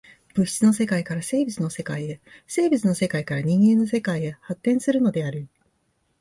物質の世界から生物の世界へ、生物の世界から人間の世界へ発展するのである。